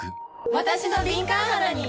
わたしの敏感肌に！